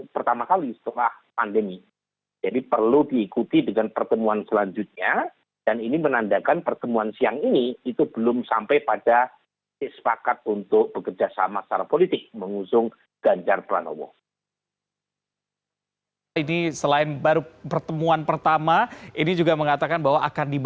pertama kali setelah pandemi jadi perlu diikuti dengan pertemuan selanjutnya dan ini menandakan pertemuan siang ini itu belum sampai pada kesepakatan untuk bekerja sama secara politik mengusung ganjar pranowo